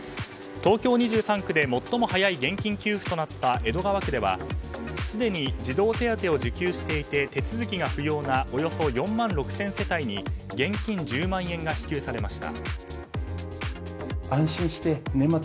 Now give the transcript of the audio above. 東京２３区で最も早い現金給付となった江戸川区ではすでに児童手当を受給していて手続きが不要なおよそ４万６０００世帯に現金１０万円が支給されました。